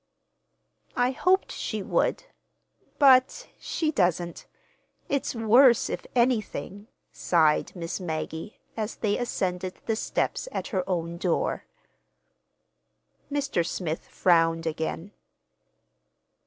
"I hoped she would. But—she doesn't. It's worse, if anything," sighed Miss Maggie, as they ascended the steps at her own door. Mr. Smith frowned again.